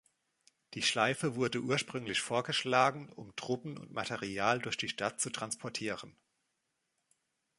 Die Schleife wurde ursprünglich vorgeschlagen, um Truppen und Material durch die Stadt zu transportieren.